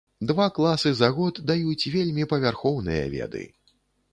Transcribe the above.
Два класы за год даюць вельмі павярхоўныя веды.